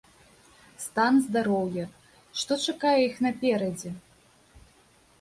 Стан здароўя, што чакае іх наперадзе?